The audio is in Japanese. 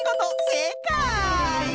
せいかい！